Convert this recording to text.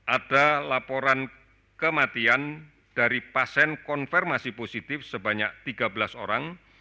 ada laporan kematian dari pasien konfirmasi positif sebanyak tiga belas orang